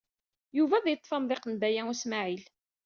Yuba ad yeṭṭef amḍiq n Baya U Smaɛil.